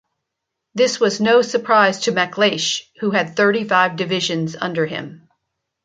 This was no surprise to MacLeish, who had thirty-five divisions under him.